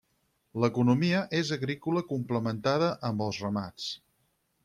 L'economia és agrícola complementada amb els remats.